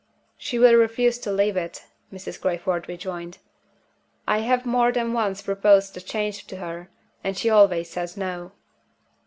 "She will refuse to leave it," Mrs. Crayford rejoined. "I have more than once proposed a change to her and she always says No."